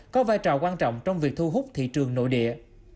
có vai trò quan trọng trong việc thu hút thị trường nội địa